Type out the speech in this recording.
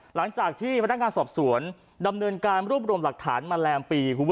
หลังจากที่พนักงานสอบสวนดำเนินการรวบรวมหลักฐานมาแรมปี